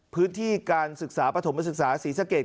พื้นที่การศึกษาปฐมศึกษาศรีสะเกด